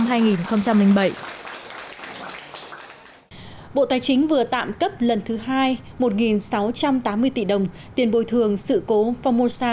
bộ tài chính vừa tạm cấp lần thứ hai một sáu trăm tám mươi tỷ đồng tiền bồi thường sự cố phongmosa